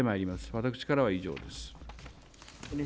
私からは以上です。